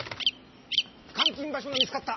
監禁場所が見つかった！